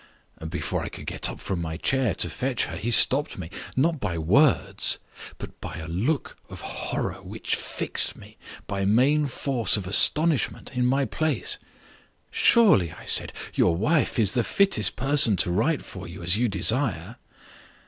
Before I could get up from my chair to fetch her, he stopped me not by words, but by a look of horror which fixed me, by main force of astonishment, in my place. 'Surely,' I said, 'your wife is the fittest person to write for you as you desire?